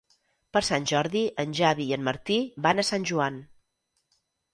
Per Sant Jordi en Xavi i en Martí van a Sant Joan.